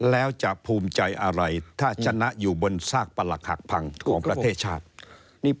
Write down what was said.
แล้วจะภูมิใจอะไรถ้าชนะอยู่บนซากประหลักหักพังของประเทศชาตินี่